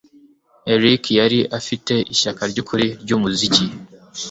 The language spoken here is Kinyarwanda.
Eric yari afite ishyaka ryukuri ryumuziki.